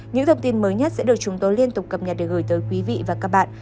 những thông tin mới nhất sẽ được chúng tôi liên tục cập nhật để gửi tới quý vị và các bạn